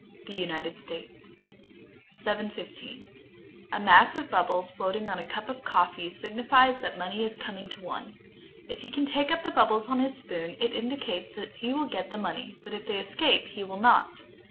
United States. 715. A mass of bubbles floating on a cup of coffee signifies that money is coming to one. If he can take up the bubbles on his spoon, it indicates that he will get the money, but if they escape he will not.